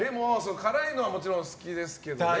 辛いのはもちろん好きですけどね。